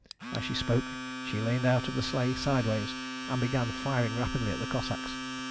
As she spoke she leaned out of the sleigh sideways, and began firing rapidly at the Cossacks.